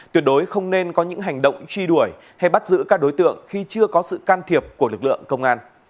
tuyệt đối không nên có những hành động truy đuổi hay bắt giữ các đối tượng khi chưa có sự can thiệp của lực lượng công an